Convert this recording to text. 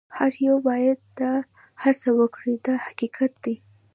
هر یو باید دا هڅه وکړي دا حقیقت دی.